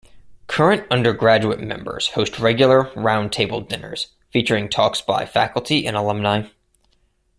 Current undergraduate members host regular "Roundtable Dinners" featuring talks by faculty and alumni.